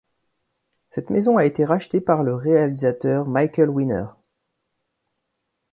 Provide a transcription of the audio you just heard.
Cette maison a été rachetée par le réalisateur Michael Winner.